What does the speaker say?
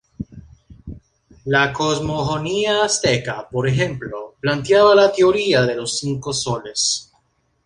La cosmogonía azteca, por ejemplo, planteaba la teoría de los cinco soles.